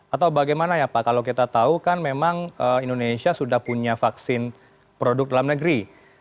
atau bagaimana ya pak kalau kita tahu kan memang indonesia sudah punya vaksin produk dalam negeri